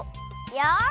よし。